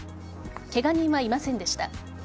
ケガ人はいませんでした。